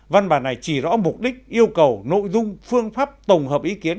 văn bản này chỉ rõ mục đích yêu cầu nội dung phương pháp tổng hợp ý kiến